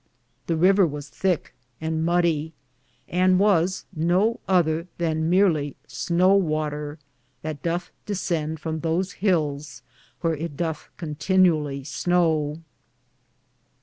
This rever was thicke and moddie, and was no other than mearly snow water, that dothe desend from those hils wheare it dothe contenualy snow.